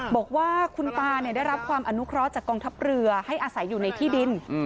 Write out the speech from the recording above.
บอกว่าคุณตาได้รับความอนุเคราะห์จากกองทัพเรือให้อาศัยอยู่ในที่ดิน